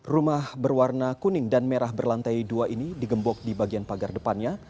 rumah berwarna kuning dan merah berlantai dua ini digembok di bagian pagar depannya